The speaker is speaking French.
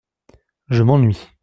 Je m’ennuie.